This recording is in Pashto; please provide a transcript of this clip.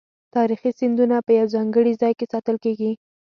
تاریخي سندونه په یو ځانګړي ځای کې ساتل کیږي.